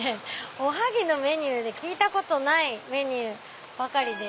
⁉おはぎのメニューで聞いたことないメニューばかり。